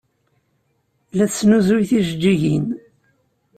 La tesnuzuy tijeǧǧigin.